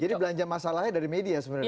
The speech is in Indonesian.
jadi belanja masalahnya dari media sebenarnya